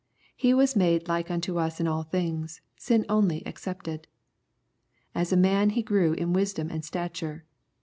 He was made like unto us in all things, sin only excepted. As man He grew in wisdom and stature.